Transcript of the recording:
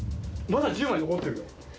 まだ１０枚残ってるよ。